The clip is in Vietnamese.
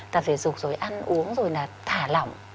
ta thể dục rồi ăn uống rồi là thả lỏng